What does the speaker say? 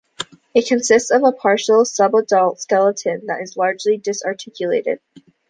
It consists of a partial, sub-adult, skeleton that is largely disarticulated.